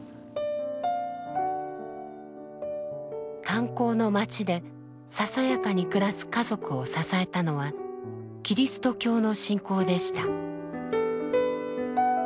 炭鉱の町でささやかに暮らす家族を支えたのはキリスト教の信仰でした。